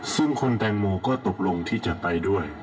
ซึ่งคุณแตงโมก็ตกลงที่จะไปด้วย